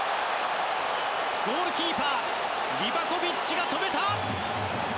ゴールキーパーリバコビッチが止めた！